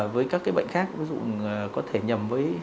với các cái bệnh khác ví dụ có thể nhầm với